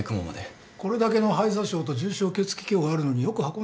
これだけの肺挫傷と重症血気胸があるのによく運んでこられたね。